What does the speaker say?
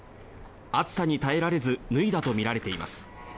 暑さに耐えられず脱いだとみられています。